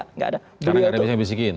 karena tidak ada yang bisa membisikin